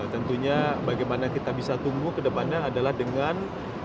tentunya bagaimana kita bisa tunggu kedepannya adalah dengan memiliki